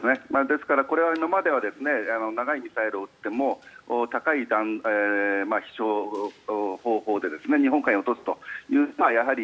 ですから、これは今までは長いミサイルを撃っても高い飛翔方法で日本海に落とすという。